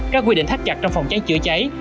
các quy định thắt chặt trong phòng cháy chữa cháy